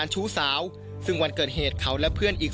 ช่วยเร่งจับตัวคนร้ายให้ได้โดยเร่ง